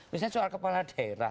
misalnya soal kepala daerah